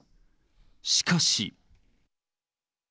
しかし。